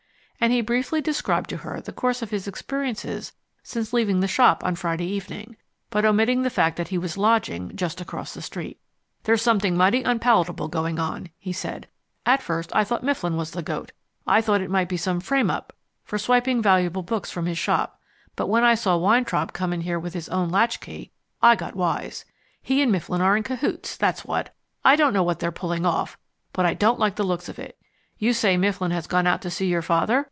And he briefly described to her the course of his experiences since leaving the shop on Friday evening, but omitting the fact that he was lodging just across the street. "There's something mighty unpalatable going on," he said. "At first I thought Mifflin was the goat. I thought it might be some frame up for swiping valuable books from his shop. But when I saw Weintraub come in here with his own latch key, I got wise. He and Mifflin are in cahoots, that's what. I don't know what they're pulling off, but I don't like the looks of it. You say Mifflin has gone out to see your father?